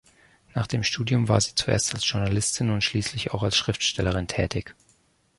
Nach dem Studium war sie zuerst als Journalistin und schließlich auch als Schriftstellerin tätig.